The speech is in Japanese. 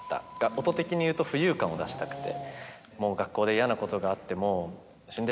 音的にいうと浮遊感を出したくて。